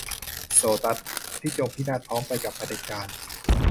- โซตัส ที่จงพินาศไปพร้อมกับเผด็จการ